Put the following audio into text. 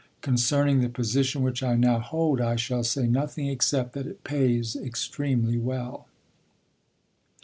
Concerning the position which I now hold I shall say nothing except that it pays extremely well.